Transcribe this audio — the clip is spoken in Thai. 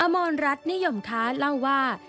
มรรัฐนิยมค้าเล่าว่า